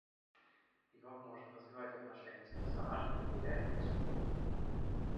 Игрок может развивать отношения с персонажами, влияя на их судьбу.